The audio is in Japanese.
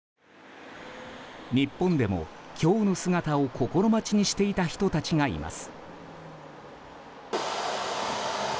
日本でも今日の姿を心待ちにしていた人たちがいます。